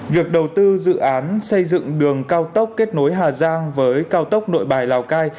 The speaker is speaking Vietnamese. việc đầu tư dự án xây dựng đường cao tốc kết nối hà giang với cao tốc nội bài lào cai